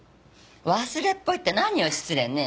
忘れっぽいって何よ失礼ね。